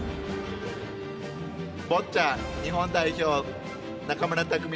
ボッチャ日本代表中村拓海